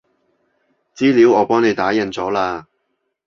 資料我幫你打印咗喇